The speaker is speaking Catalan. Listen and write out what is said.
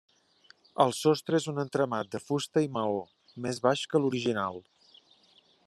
El sostre és un entramat de fusta i maó, més baix que l'original.